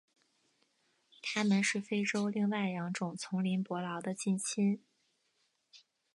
它们是非洲另外两种丛林伯劳的近亲。